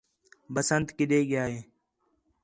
بسنت کِݙے ڳِیا ہِے